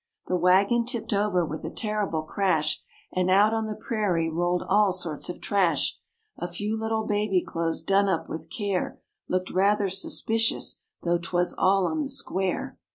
The wagon tipped over with a terrible crash, And out on the prairie rolled all sorts of trash; A few little baby clothes done up with care Looked rather suspicious, though 'twas all on the square.